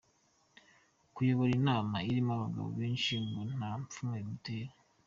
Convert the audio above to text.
Kuyobora inama irimo abagabo benshi ngo nta pfunwe bimutera.